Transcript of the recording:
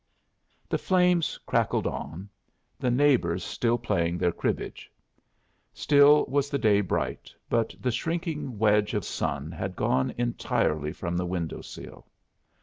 The flames crackled on, the neighbors still played their cribbage. Still was the day bright, but the shrinking wedge of sun had gone entirely from the window sill.